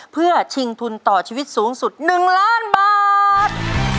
เพื่อชิงทุนต่อชีวิตสูงสุด๑ล้านบาท